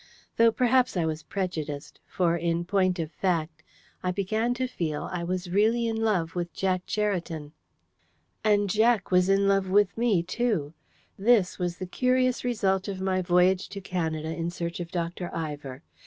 Though, perhaps I was prejudiced; for, in point of fact, I began to feel I was really in love with Jack Cheriton. And Jack was in love with me too. This was a curious result of my voyage to Canada in search of Dr. Ivor!